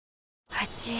あちぃ。